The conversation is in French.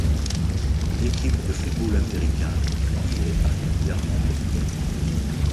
L'équipe de football américain y est particulièrement populaire.